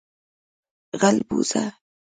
🐜 غلبوزه